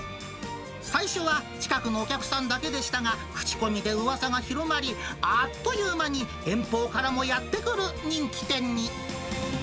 最初は近くのお客さんだけでしたが、口コミでうわさが広がり、あっという間に遠方からもやって来る人気店に。